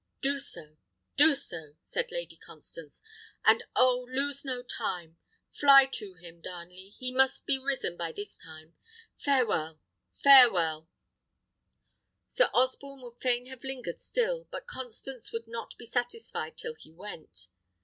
"Do so, do so!" said Lady Constance; "and, oh! lose no time. Fly to him, Darnley; he must be risen by this time. Farewell! farewell!" Sir Osborne would fain have lingered still, but Constance would not be satisfied till he went.